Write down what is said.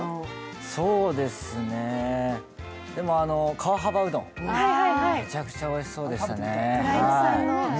そうですねぇ、でも川幅うどんめちゃくちゃおいしそうでしたね。